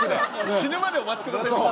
「死ぬまでお待ちください」